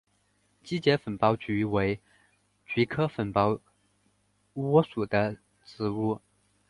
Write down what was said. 基节粉苞菊为菊科粉苞苣属的植物。